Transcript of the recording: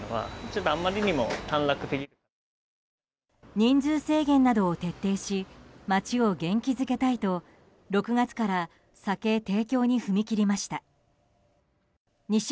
人数制限などを徹底し街を元気づけたいと６月から酒提供に踏み切りました。